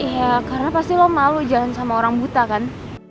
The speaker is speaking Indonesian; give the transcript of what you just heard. iya karena pasti lo malu jalan sama orang buta kan